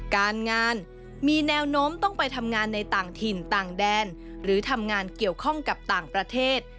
การงานมีแนวโน้มต้องไปทำงานในต่างถิ่นต่างแดนหรือทำงานเกี่ยวข้องกับต่างประเทศ